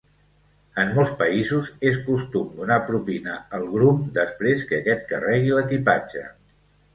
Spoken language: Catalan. En molts països és costum donar propina al grum després que aquest carregui l'equipatge.